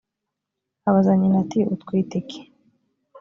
abaza nyina ati “utwite iki?”